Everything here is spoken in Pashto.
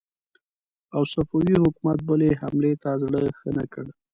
او صفوي حکومت بلې حملې ته زړه ښه نه کړ.